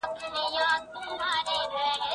جګړه یوازي تباهي او بربادي راوړي.